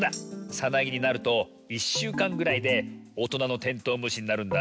さなぎになると１しゅうかんぐらいでおとなのテントウムシになるんだ。